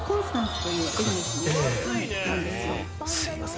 すいません。